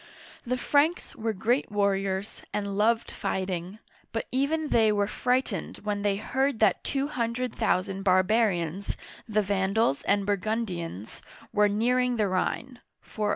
The Franks were great warriors, and loved fighting, but even they were frightened when they heard that two hun dred thousand barbarians, the Van'dals and Burgun'dians, were nearing the Rhine (406).